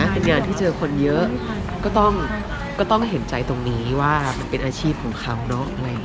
เป็นงานที่เจอคนเยอะก็ต้องเห็นใจตรงนี้ว่ามันเป็นอาชีพของเขาเนอะ